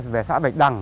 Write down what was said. về xã bạch đằng